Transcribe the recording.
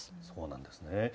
そうなんですね。